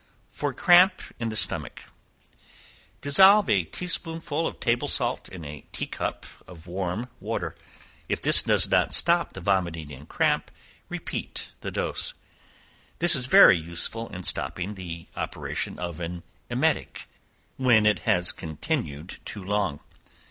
For Cramp in the Stomach. Dissolve a tea spoonful of table salt, in a tea cup of warm water; if this does not stop the vomiting and cramp, repeat the dose; this is very useful in stopping the operation of an emetic, when it has continued too long.